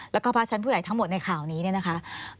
แล้วก็พระชั้นผู้ใหญ่ทั้งหมดในข่าวนี้เนี่ยนะคะ